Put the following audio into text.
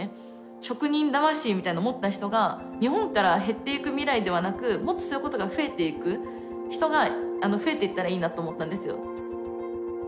職人魂みたいなのを持った人が日本から減っていく未来ではなくもっとそういうことが増えていく人が増えていったらいいなと思ったんですよ。